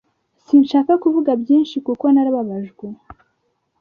sinshaka kuvuga byinshi kuko narababajwe,